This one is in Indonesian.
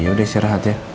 yaudah istirahat ya